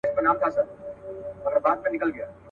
چلېدل یې په مرغانو کي امرونه.